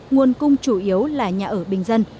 nguồn cung chủ yếu là nhà ở bình dân